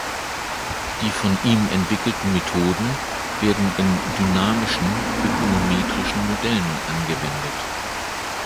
Die von ihm entwickelten Methoden werden in dynamischen ökonometrischen Modellen angewendet.